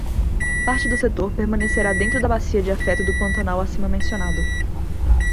Parte do setor permanecerá dentro da bacia de afeto do pantanal acima mencionado.